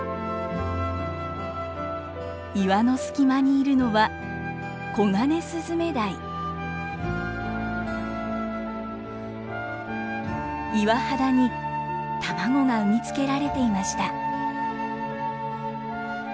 岩の隙間にいるのは岩肌に卵が産みつけられていました。